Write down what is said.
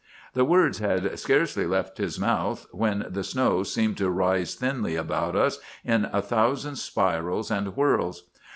"The words had scarcely left his mouth when the snow seemed to rise thinly about us in a thousand spirals and swirls.